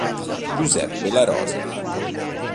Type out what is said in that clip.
Giuseppe La Rosa